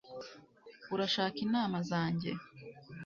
urashaka inama zanjye